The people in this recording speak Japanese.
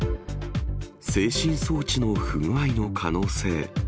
制振装置の不具合の可能性。